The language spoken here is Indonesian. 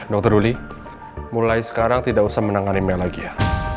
dokter duli mulai sekarang tidak usah menang animel lagi ya